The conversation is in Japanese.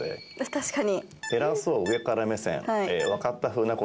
確かに。